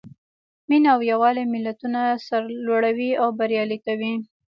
مینه او یووالی ملتونه سرلوړي او بریالي کوي.